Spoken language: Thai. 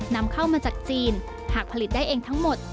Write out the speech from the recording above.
นำเข้ามาจากจีนหากผลิตได้เองทั้งหมด